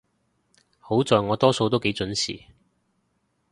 好在我多數都幾準時